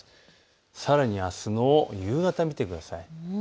さらにあすの夕方、見てください。